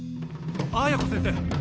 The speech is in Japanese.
綾子先生！